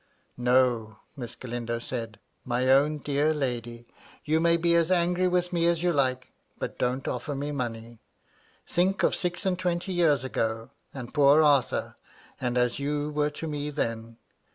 *' No," Miss Galindo said ;" my own dear lady, you may be as angry with me as you like, but don't offer me money. Think of six and twenty years ago, and poor Arthur, and as you were to me then